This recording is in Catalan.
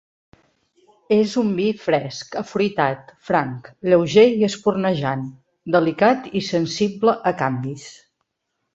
És un vi fresc, afruitat, franc, lleuger i espurnejant, delicat i sensible a canvis.